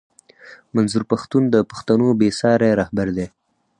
منظور پښتون د پښتنو بې ساری رهبر دی